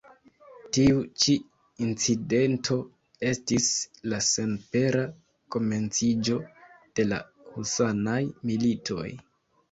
Tiu ĉi incidento estis la senpera komenciĝo de la husanaj militoj.